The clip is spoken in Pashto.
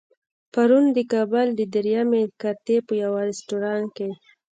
پرون د کابل د درېیمې کارتې په يوه رستورانت کې.